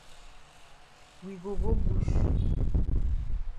We go go bush.